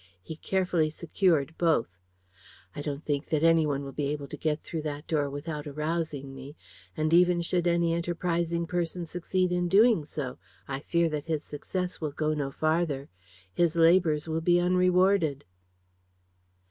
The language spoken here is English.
He carefully secured both. "I don't think that any one will be able to get through that door without arousing me. And even should any enterprising person succeed in doing so, I fear that his success will go no farther. His labours will be unrewarded."